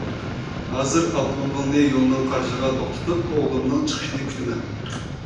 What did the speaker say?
ھازىر ئاپتوموبىلىمنى يولنىڭ قارشىسىغا توختىتىپ ئوغلۇمنىڭ چىقىشىنى كۈتىمەن.